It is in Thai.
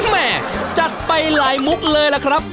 แม่จัดไปหลายมุกเลยล่ะครับ